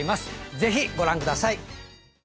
ぜひご覧ください！